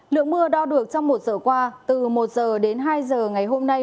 lượng mưa đo được trong một giờ qua từ một giờ đến hai giờ ngày hôm nay